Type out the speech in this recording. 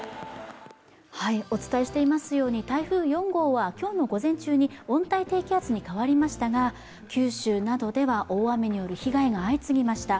お伝えしていますように台風４号は今日の午前中に温帯低気圧に変わりましたが九州などでは大雨による被害が相次ぎました。